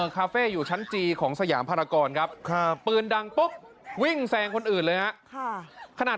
คาเฟ่อยู่ชั้นจีของสยามภารกรครับปืนดังปุ๊บวิ่งแซงคนอื่นเลยฮะขนาด